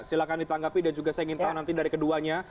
silahkan ditanggapi dan juga saya ingin tahu nanti dari keduanya